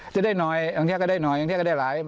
จะได้น้อยอังเทียกก็ได้น้อยอังเทียกก็ได้หลาย